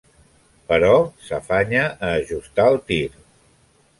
Però s'afanya a ajustar el tir.